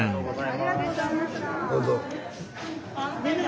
ありがとうございます。